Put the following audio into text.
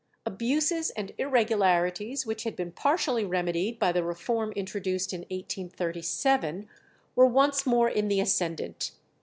Abuses and irregularities, which had been partially remedied by the reform introduced in 1837, were once more in the ascendant.